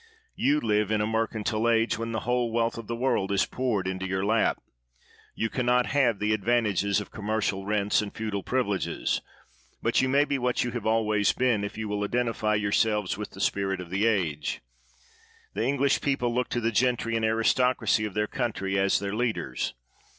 You live in a mer cantile age, when the whole wealth of the world is poured into your lap. You can not have the advantages of commercial rents and feudal priv iliges; but you may be what you always have been, if you will identify yourselves with the spirit of the age. The English people look to the gentry and aristocracy of their country as their leaders.